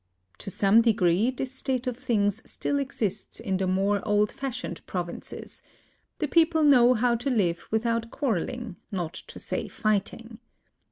To some degree this state of things still exists in the more old fashioned provinces : the people know how to live with out quarreling, not to say fighting.